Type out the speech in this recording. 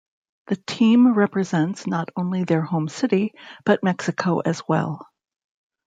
The team represents not only their home city, but Mexico as well.